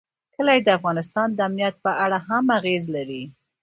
کلي د افغانستان د امنیت په اړه هم اغېز لري.